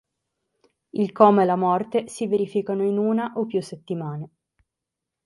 Il coma e la morte si verificano in una o più settimane.